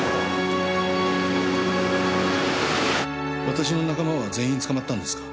私の仲間は全員捕まったんですか？